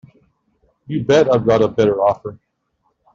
You bet I've got a better offer.